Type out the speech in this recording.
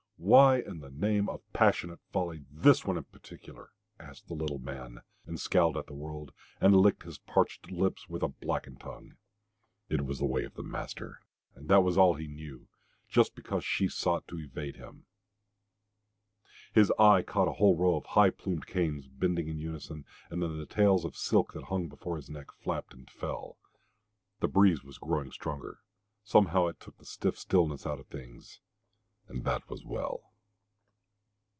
Why in the name of passionate folly THIS one in particular? asked the little man, and scowled at the world, and licked his parched lips with a blackened tongue. It was the way of the master, and that was all he knew. Just because she sought to evade him.... His eye caught a whole row of high plumed canes bending in unison, and then the tails of silk that hung before his neck flapped and fell. The breeze was growing stronger. Somehow it took the stiff stillness out of things and that was well.